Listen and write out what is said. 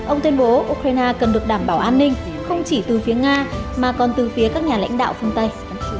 ông tuyên bố ukraine cần được đảm bảo an ninh không chỉ từ phía nga mà còn từ phía các nhà lãnh đạo phương tây